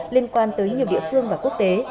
liên quan tới nhiều địa phương và quốc tế